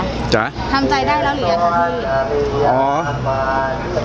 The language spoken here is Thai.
ทำใจได้แล้วหรือยังคะพี่